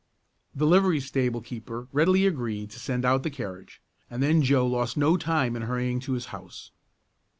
The livery stable keeper readily agreed to send out the carriage, and then Joe lost no time in hurrying to his house.